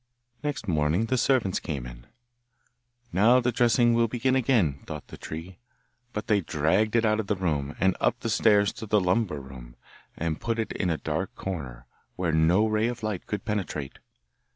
Next morning the servants came in. 'Now the dressing up will begin again,' thought the tree. But they dragged it out of the room, and up the stairs to the lumber room, and put it in a dark corner, where no ray of light could penetrate.